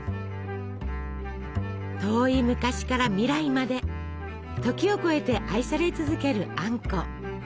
遠い昔から未来まで時を超えて愛され続けるあんこ。